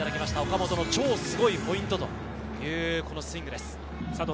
岡本の超スゴいポイントというスイングです。